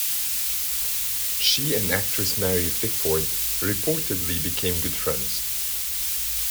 She and actress Mary Pickford reportedly became good friends.